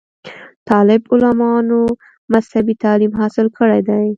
طالب علمانومذهبي تعليم حاصل کړے دے